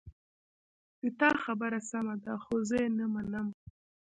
د تا خبره سمه ده خو زه یې نه منم